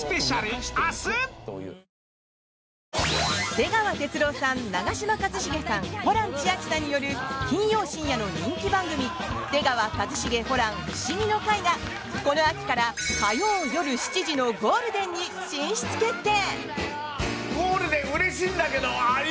出川哲朗さん、長嶋一茂さんホラン千秋さんによる金曜深夜の人気番組「出川一茂ホラン☆フシギの会」がこの秋から火曜夜７時のゴールデンに進出決定！